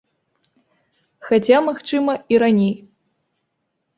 Хаця, магчыма, і раней.